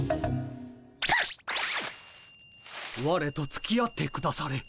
われとつきあってくだされ。